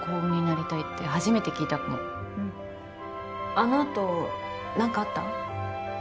あのあと何かあった？